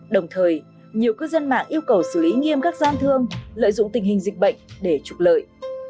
đồng thời nhiều cư dân mạng yêu cầu xử lý nghiêm các gian thương lợi dụng tình hình dịch bệnh để trục lợi